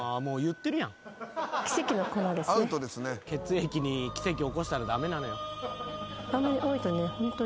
血液に奇跡起こしたら駄目なのよ。